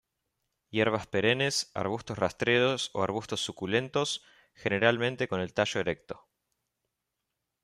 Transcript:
Hierbas perennes, arbustos rastreros o arbustos, suculentos, generalmente con tallo erecto.